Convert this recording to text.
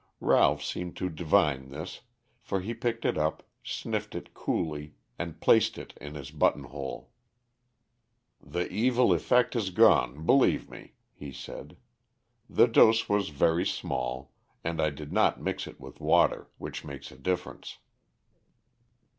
Ralph seemed to divine this, for he picked it up, sniffed it coolly and placed it in his button hole. "The evil effect has gone, believe me," he said. "The dose was very small, and I did not mix it with water, which makes a difference."